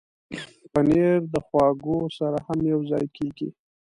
پنېر د خواږو سره هم یوځای کېږي.